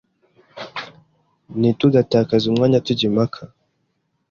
Ntitugatakaze umwanya tujya impaka